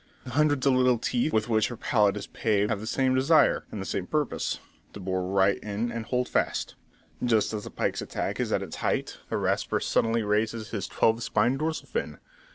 The hundreds of little teeth with which her palate is paved have the same desire, the same purpose; to bore right in and hold fast. Just as the pike's attack is at its height, the Rasper suddenly raises his twelve spined dorsal fin.